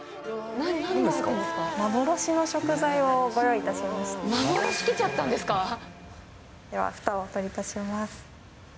何が入ってるんです幻の食材をご用意いたしまし幻、ではふたをお取りいたします。